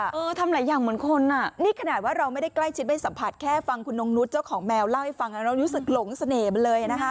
ทำหลายอย่างเหมือนคนอ่ะนี่ขนาดว่าเราไม่ได้ใกล้ชิดได้สัมผัสแค่ฟังคุณนงนุษย์เจ้าของแมวเล่าให้ฟังแล้วเรารู้สึกหลงเสน่ห์ไปเลยนะคะ